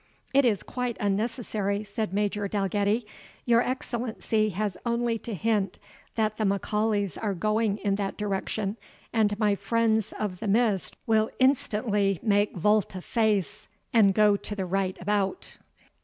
"It is quite unnecessary," said Major Dalgetty; "your Excellency has only to hint that the M'Aulays are going in that direction, and my friends of the Mist will instantly make volte face, and go to the right about."